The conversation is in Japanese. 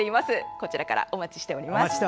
こちらからお待ちしております。